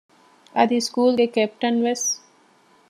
އަދި ސްކޫލުގެ ކެޕްޓަންވެސް